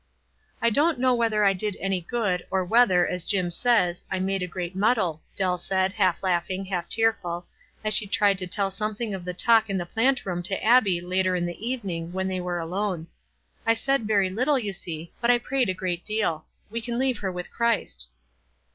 " I don't know whether I did any good, or whether, as Jim says, I ' made a great muddle,'" Dell said, half laughing, half tearful, as she tried to tell something of the talk in the plant room to Abbie later in the evening, when they were alone. " I said very little, you see ; but I prayed a great deal. We can leave her with Christ."